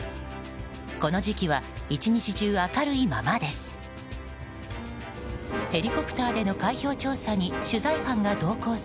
この時期は１日中、明るいままです。